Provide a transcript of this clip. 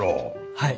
はい。